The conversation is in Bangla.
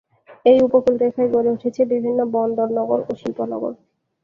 এই উপকূলরেখায় গড়ে উঠেছে বিভিন্ন বন্দর নগর ও শিল্প শহর।